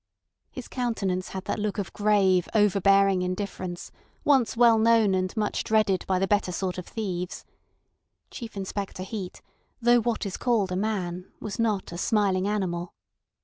His countenance had that look of grave, overbearing indifference once well known and much dreaded by the better sort of thieves. Chief Inspector Heat, though what is called a man, was not a smiling animal.